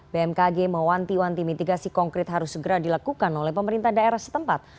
bmkg mewanti wanti mitigasi konkret harus segera dilakukan oleh pemerintah daerah setempat